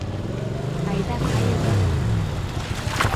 Айда кайыза!